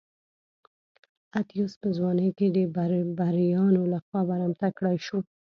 اتیوس په ځوانۍ کې د بربریانو لخوا برمته کړای شو.